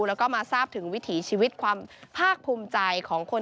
แล้วก็มาทราบถึงวิถีชีวิตความภาคภูมิใจของคน